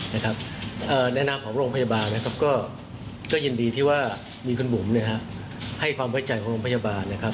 แนะนำของโรงพยาบาลก็ยินดีที่ว่ามีคุณบุ๋มให้ความไว้ใจของโรงพยาบาล